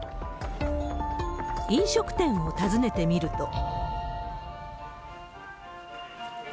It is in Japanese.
飲食店を訪ねてみると。